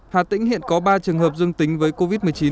hà tĩnh hiện có ba trường hợp dương tính với covid một mươi chín